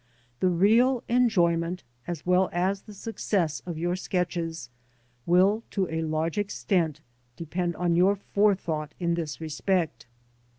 The real enjoyment as well as the success of your sketches will to a large extent depend on your forethought in this respect.